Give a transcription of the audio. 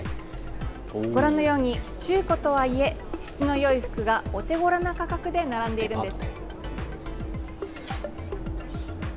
ご覧のように中古とは言え質のよい服がお手ごろな価格で並んでいるんです。